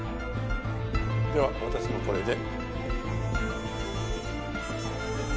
では私もこれで。